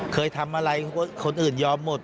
เคยทำอะไรคนอื่นยอมหมด